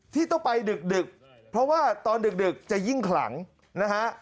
ที่ต้องไปดึกเพราะว่าตอนดึกจะยิ่งขลังนะฮะ